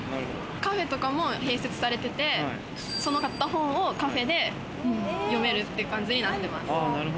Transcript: カフェとかも併設されてて、買った本をカフェで読めるって感じになってます。